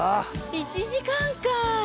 １時間か。